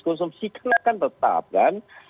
konsumsi kan akan tetap kan